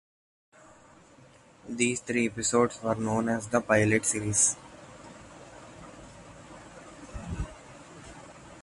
These three episodes were known as the "pilot series".